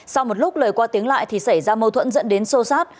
sau một lúc lời qua tiếng lại thì xảy ra mâu thuẫn dẫn đến sô sát